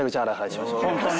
ホントに。